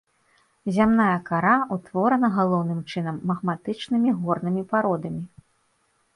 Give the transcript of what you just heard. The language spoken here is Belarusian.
Зямная кара ўтворана галоўным чынам магматычнымі горнымі пародамі.